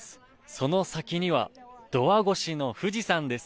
その先にはドア越しの富士山です。